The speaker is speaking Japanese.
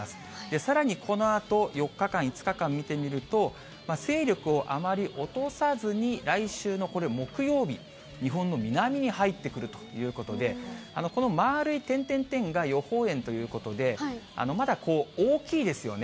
さらにこのあと４日間、５日間見てみると、勢力をあまり落とさずに、来週のこれ、木曜日、日本の南に入ってくるということで、この丸い点々々が予報円ということで、まだこう、大きいですよね。